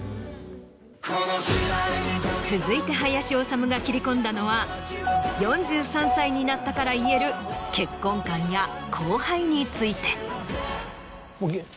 続いて林修が切り込んだのは４３歳になったから言える結婚観や後輩について。